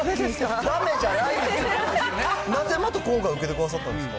なんで今回、受けてくださったんですか。